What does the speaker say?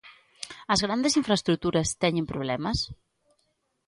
¿As grandes infraestruturas teñen problemas?